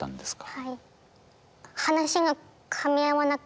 はい。